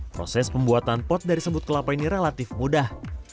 proses pembuatan pot dari sembut kelapa ini relatif mudah